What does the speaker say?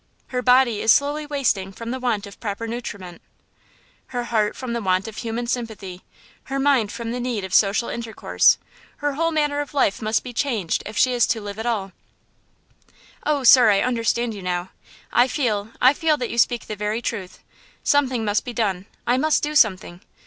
Her body is slowly wasting from the want of proper nutriment, her heart from the want of human sympathy, her mind from the need of social intercourse. Her whole manner of life must be changed if she is to live at all." "Oh, sir, I understand you now. I feel, I feel that you speak the very truth. Something must be done. I must do something.